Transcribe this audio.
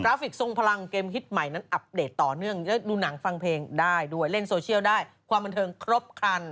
ฟิกทรงพลังเกมฮิตใหม่นั้นอัปเดตต่อเนื่องและดูหนังฟังเพลงได้ด้วยเล่นโซเชียลได้ความบันเทิงครบคัน